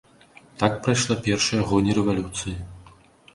Так прайшла першыя гоні рэвалюцыя.